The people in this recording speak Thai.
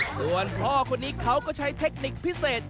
ส่วนพ่อคนนี้เขาก็ใช้เทคนิคพิเศษ